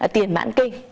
tiền mạng kinh